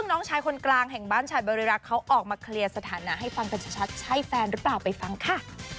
น้องชายคนกลางแห่งบ้านฉายบริรักษ์เขาออกมาเคลียร์สถานะให้ฟังกันชัดใช่แฟนหรือเปล่าไปฟังค่ะ